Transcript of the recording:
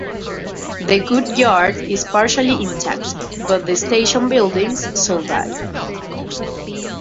The goods yard is partially intact but the station buildings survive.